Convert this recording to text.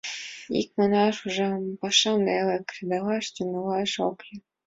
Икманаш, ужам: паша неле, кредалаш тӱҥалаш ок лий.